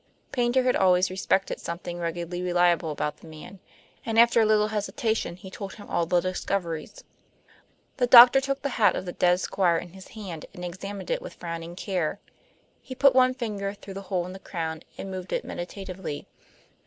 Paynter had always respected something ruggedly reliable about the man, and after a little hesitation he told him all the discoveries. The doctor took the hat of the dead Squire in his hand, and examined it with frowning care. He put one finger through the hole in the crown and moved it meditatively.